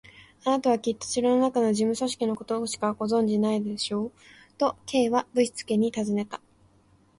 「あなたはきっと城のなかの事務組織のことだけしかご存じでないのでしょう？」と、Ｋ はぶしつけにたずねた。